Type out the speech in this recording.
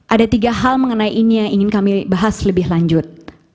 ada tiga hal mengenai ini yang ingin kami bahas lebih lanjut